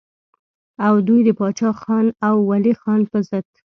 او دوي د باچا خان او ولي خان پۀ ضد